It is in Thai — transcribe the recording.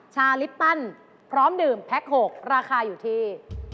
ชาลิปตันพร้อมดื่มแพ็ค๖ราคาอยู่ที่